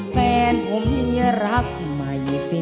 แฟนผมมีรักมากเลย